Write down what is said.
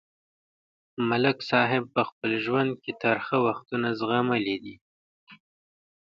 ملک صاحب په خپل ژوند کې ترخه وختونه زغملي دي.